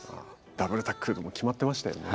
ダブルタックルとかも決まってましたよね。